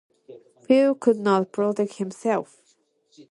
Fields could not protect himself.